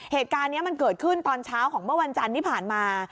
เหตุการณ์นี้มันเกิดขึ้นตอนเช้าของเมื่อวันจันทร์ที่ผ่านมา